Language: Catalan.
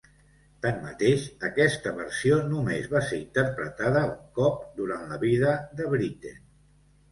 Tanmateix, aquesta versió només va ser interpretada un cop durant la vida de Britten.